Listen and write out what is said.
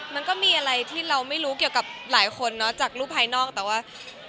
มันก็มีอะไรที่เราไม่รู้เกี่ยวกับหลายคนเนอะจากรูปภายนอกแต่ว่า